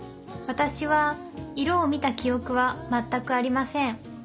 私は色を見た記憶は全くありません。